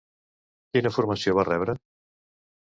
Quina formació va rebre?